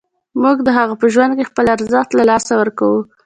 موږ د هغه په ژوند کې خپل ارزښت له لاسه ورکوو.